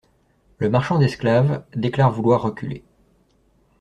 Le marchand d'esclaves déclare vouloir reculer.